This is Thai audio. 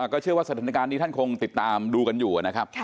ก็เชื่อว่าสถานการณ์นี้ท่านคงติดตามดูกันอยู่นะครับ